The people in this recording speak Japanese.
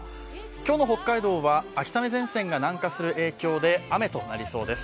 今日の北海道は秋雨前線が南下する影響で雨となりそうです。